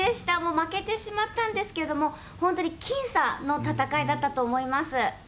負けてしまったんですけれども、本当に僅差の戦いだったと思います。